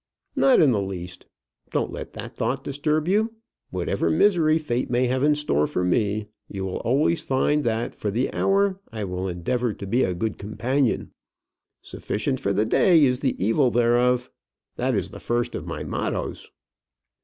"Not in the least. Don't let that thought disturb you. Whatever misery fate may have in store for me, you will always find that, for the hour, I will endeavour to be a good companion. 'Sufficient for the day is the evil thereof.' That is the first of my mottoes."